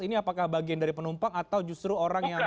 ini apakah bagian dari penumpang atau justru orang yang